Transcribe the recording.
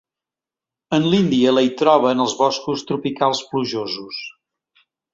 En l'Índia la hi troba en els boscos tropicals plujosos.